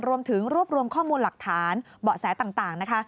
รวมถึงรวบรวมข้อมูลหลักฐานเบาะแสต่างนะคะ